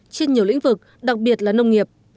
trên nhiều lĩnh vực đặc biệt là nông nghiệp